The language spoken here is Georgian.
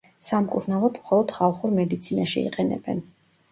სამკურნალოდ მხოლოდ ხალხურ მედიცინაში იყენებენ.